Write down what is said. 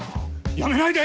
辞めないで！